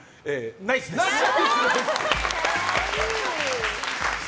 ナイスです。